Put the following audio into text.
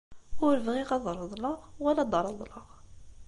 Ur bɣiɣ ad reḍleɣ wala ad d-reḍleɣ.